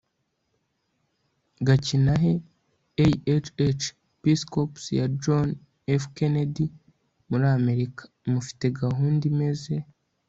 gakinahe ahh! peace corps ya john f.kennedy muri amerika,!mufite gahunda imeze